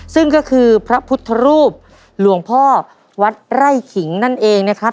ซึ่งก็คือพระพุทธรูปหลวงพ่อวัดไร่ขิงนั่นเองนะครับ